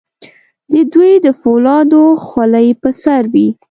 د دوی د فولادو خولۍ په سر وې.